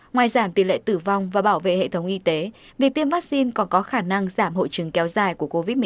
ngoài giảm tỷ lệ tử vong và bảo vệ hệ thống y tế việc tiêm vaccine còn có khả năng giảm hội chứng kéo dài của covid một mươi chín